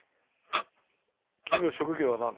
「君の職業はなんだ？」